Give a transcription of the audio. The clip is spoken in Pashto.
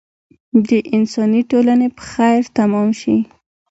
د انساني ټولنې په خیر تمام شي.